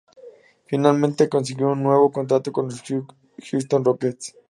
Finalmente consiguió un nuevo contrato con los Houston Rockets.